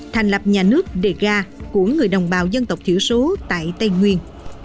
thành lập nhà nước dega của người đồng bào dân tộc thiểu số tại tây nguyên